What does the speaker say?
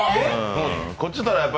こちとら